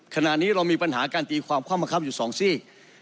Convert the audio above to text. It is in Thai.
ขณะนี้เรามีปัญหาการตีความข้อมังคับอยู่๒ซีก